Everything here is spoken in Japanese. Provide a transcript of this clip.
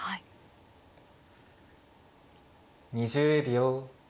２０秒。